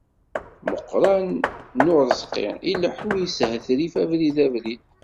Muqran n Uṛezqi ileḥḥu yeshetrif abrid abrid.